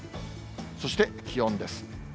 そして、気温です。